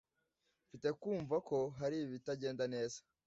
mfite kumva ko hari ibitagenda neza